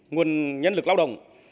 nguồn nhân lực lao động